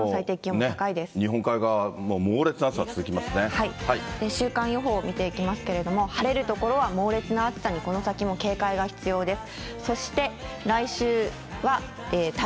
日本海側も猛烈な暑さ続きま週間予報見ていきますけれども、晴れる所は猛烈な暑さに、この先も警戒が必要です。